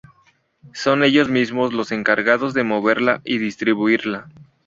Son ellos mismos los encargados de moverla y distribuirla.